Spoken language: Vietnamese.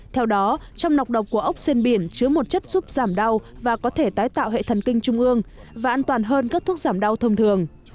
theo đó trong nọc độc của ốc trên biển chứa một chất giúp giảm đau và có thể tái tạo hệ thần kinh trung ương và an toàn hơn các thuốc giảm đau thông thường